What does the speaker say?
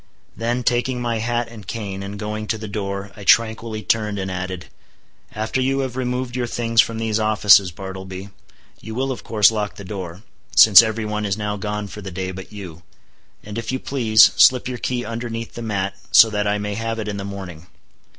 Then taking my hat and cane and going to the door I tranquilly turned and added—"After you have removed your things from these offices, Bartleby, you will of course lock the door—since every one is now gone for the day but you—and if you please, slip your key underneath the mat, so that I may have it in the morning.